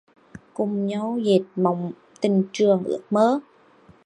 Cùng nhau dệt mộng tình trường ước mơ.